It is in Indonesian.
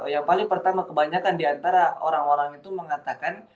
yang paling pertama kebanyakan diantara orang orang itu mengatakan